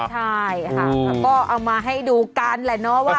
ใช่ค่ะก็เอามาให้ดูกันแหละเนาะว่า